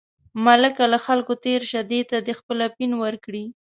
ملکه له خلکو تېر شه، دې ته دې خپل اپین ورکړي.